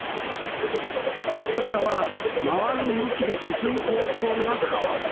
プロペラは回る向きで進む方向が変わる。